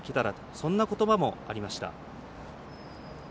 そんなことばもありました。